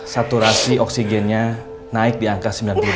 saturasi oksigennya naik di angka sembilan puluh delapan